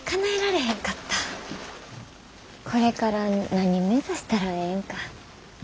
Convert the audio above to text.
これから何目指したらええんか。